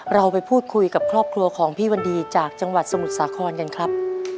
เราไปพูดคุยกับครอบครัวของพี่วันดีจากจังหวัดสมุทรสาครกันครับ